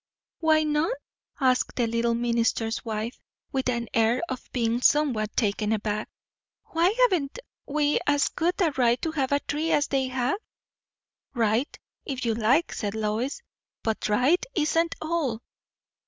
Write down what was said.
"Why not?" asked the little minister's wife, with an air of being somewhat taken aback. "Why haven't we as good a right to have a tree as they have?" "Right, if you like," said Lois; "but right isn't all."